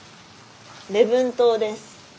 礼文島です。